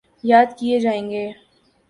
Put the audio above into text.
یاد کیے جائیں گے۔